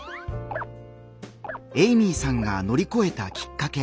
エイミーさんが乗り越えたきっかけ